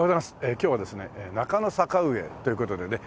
今日はですね中野坂上という事でね。